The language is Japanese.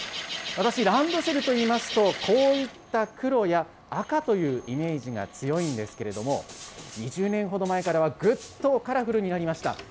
私、ランドセルといいますと、こういった黒や赤というイメージが強いんですけれども、２０年ほど前からは、ぐっとカラフルになりました。